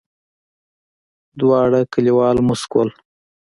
دواړه کليوال موسک ول.